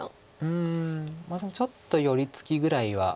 うんでもちょっと寄り付きぐらいは。